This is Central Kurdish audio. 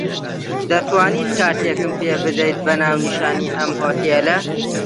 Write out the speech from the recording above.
دەتوانیت کارتێکم پێ بدەیت بە ناونیشانی ئەم هۆتێلە.